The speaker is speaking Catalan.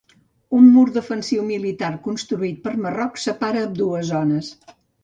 Un mur defensiu militar construït per Marroc separa ambdues zones.